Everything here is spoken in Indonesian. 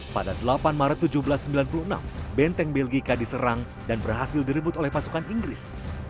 pada delapan maret seribu tujuh ratus sembilan puluh enam benteng belgika diserang dan berhasil direbut oleh pasukan inggris